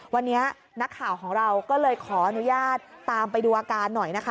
วันนี้นักข่าวของเราก็เลยขออนุญาตตามไปดูอาการหน่อยนะคะ